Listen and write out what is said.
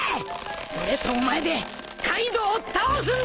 俺とお前でカイドウを倒すんだ！